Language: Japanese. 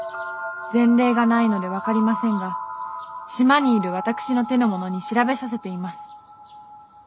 前例がないので分かりませんが島にいる私の手の者に調べさせています。